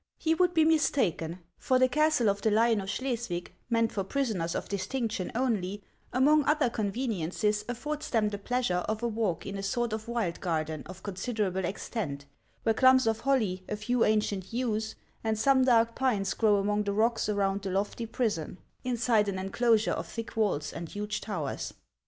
He would be mistaken ; for the castle of the Lion of Schleswig, meant for prisoners of distinction only, among other conveniences affords them the pleasure of a walk in a sore of wild garden of considerable extent, where clumps of holly, a few ancient yews, and some dark pines grow among the rocks around the lofty prison, inside an enclosure of thick walls and huge towers.